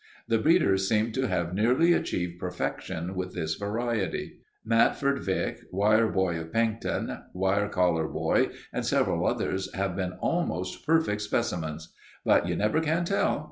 The breeders seem to have nearly achieved perfection with this variety. Matford Vic, Wireboy of Paignton, Wycollar Boy, and several others have been almost perfect specimens. But you never can tell.